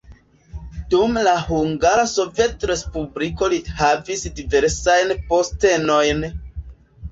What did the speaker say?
Dum la Hungara Sovetrespubliko li havis diversajn postenojn.